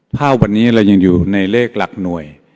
ถ้าวันนี้เรายังอยู่ในเลขหลักหน่วย